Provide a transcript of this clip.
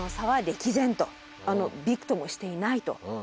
ビクともしていないと。